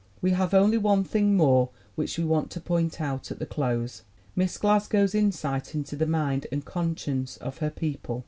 We have only one thing rtiore which we want to point out at the close, Miss Glasgow's insight into the mind and conscience of her people.